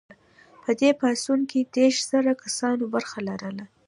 په دې پاڅون کې دیرش زره کسانو برخه لرله.